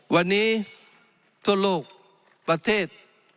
วันนี้ทั่วโลกประเทศ